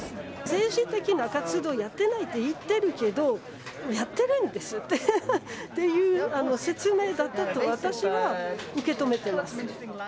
政治的な活動やってないと言ってるけど、やってるんですっていう説明だったと、私は受け止めてます。